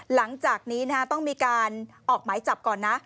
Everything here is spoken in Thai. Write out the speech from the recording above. หลังจากนี้ต้องมีการออกหมายจับก่อนนะ